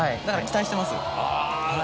だから期待してます。